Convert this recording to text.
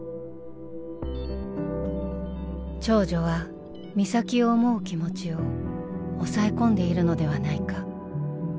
「長女は美咲を思う気持ちを押さえ込んでいるのではないか」。